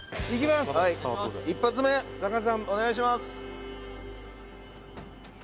一発目お願いします。